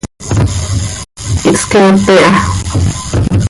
Ihsqueepe aha.